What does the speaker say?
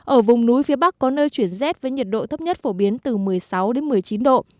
ở vùng núi phía bắc có nơi chuyển rét với nhiệt độ thấp nhất phổ biến từ một mươi sáu đến một mươi chín độ